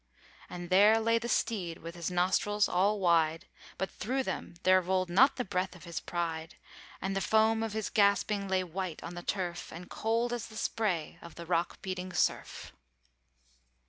And there lay the steed, with his nostrils all wide, But through them there rolled not the breath of his pride; And the foam of his gasping lay white on the turf, And cold as the spray of the rock beating surf."